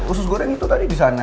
usus goreng itu tadi di sana